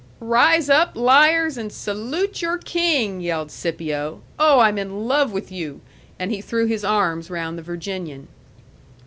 "Rise up, liars, and salute your king!" yelled Scipio. "Oh, I'm in love with you!" And he threw his arms round the Virginian.